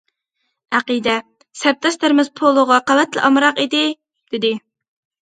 ئەقىدە:‹‹ سەپداشلىرىمىز پولۇغا قەۋەتلا ئامراق ئىدى››، دېدى.